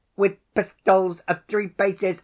with pistols, at three paces ...